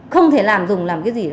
không thể làm dùng làm cái gì